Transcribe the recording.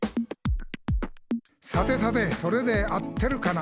「さてさてそれで合ってるかな？」